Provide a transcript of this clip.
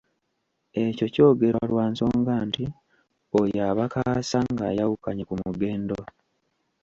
Ekyo ky’ogerwa lwa nsonga nti oyo aba kaasa ng’ayawukanye ku Mugendo.